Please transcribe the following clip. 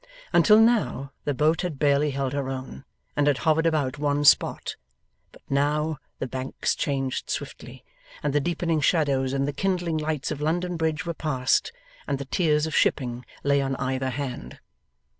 Until now, the boat had barely held her own, and had hovered about one spot; but now, the banks changed swiftly, and the deepening shadows and the kindling lights of London Bridge were passed, and the tiers of shipping lay on either hand.